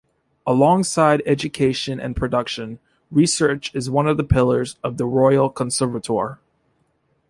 Alongside education and production, research is one of the pillars of the Royal Conservatoire.